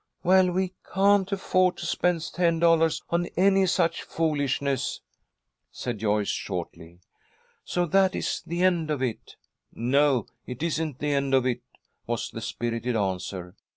"Well, we can't afford to spend ten dollars on any such foolishness," said Joyce, shortly. "So that is the end of it." "No, it isn't the end of it," was the spirited answer.